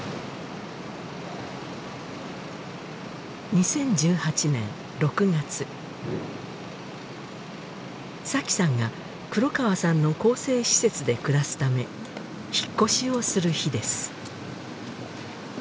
２０１８年６月紗妃さんが黒川さんの更生施設で暮らすため引っ越しをする日です・